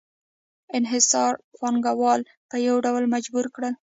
انحصار پانګوال په یو ډول مجبور کړل